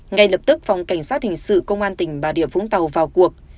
ngay lập tức phòng cảnh sát hình sự công an tỉnh bà rịa vũng tàu vào cuộc